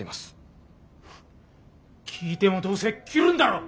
聞いてもどうせ切るんだろ。